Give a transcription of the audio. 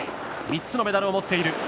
３つのメダルを持っている。